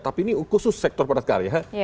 tapi ini khusus sektor padat karya